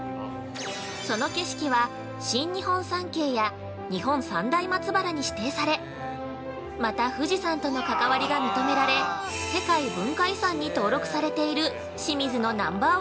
その景色は、新日本三景や日本三大松原に指定され、また、富士山との関わりが認められ世界文化遺産に登録されている清水のナンバー